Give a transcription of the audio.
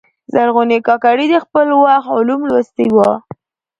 زرغونې کاکړي د خپل وخت علوم لوستلي ول.